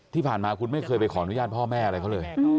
ที่ผ่านมาคุณไม่เคยไปขออนุญาตพ่อแม่อะไรเขาเลย